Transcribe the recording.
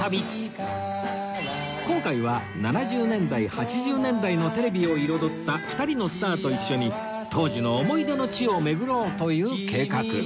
今回は７０年代８０年代のテレビを彩った２人のスターと一緒に当時の思い出の地を巡ろうという計画